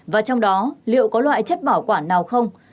và trong đó liệu có loại chất bảo quản nào không